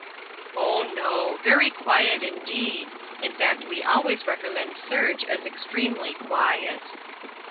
"Oh, no, very quiet indeed. In fact we always recommend serge as extremely quiet."